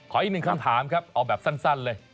อีกหนึ่งคำถามครับเอาแบบสั้นเลย